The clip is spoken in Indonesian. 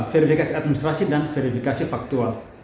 verifikasi administrasi dan verifikasi faktual